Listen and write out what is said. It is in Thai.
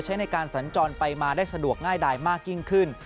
ใช้ในการสัญจรไปมาได้สะดวกง่ายดายมากยิ่งขึ้น